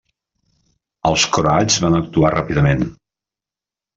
Els croats van actuar ràpidament.